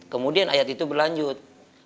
kemudian ayat itu berlanjut